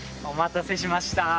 お待たせしました。